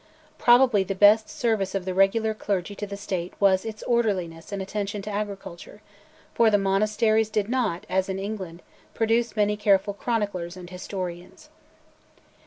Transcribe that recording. Probably the best service of the regular clergy to the State was its orderliness and attention to agriculture, for the monasteries did not, as in England, produce many careful chroniclers and historians.